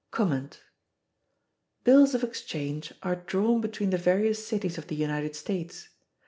Bills of exchange are drawn between the various cities of the United States.